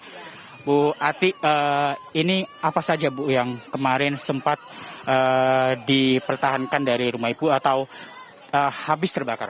ibu ati ini apa saja bu yang kemarin sempat dipertahankan dari rumah ibu atau habis terbakar